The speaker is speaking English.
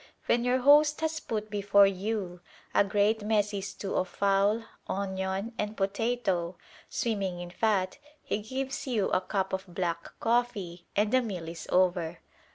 When your host has put before you a great messy stew of fowl, onion, and potato swimming in fat, he gives you a cup of black coffee and the meal is over.